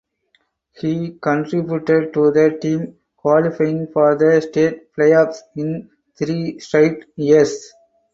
He contributed to the team qualifying for the state playoffs in three straight years.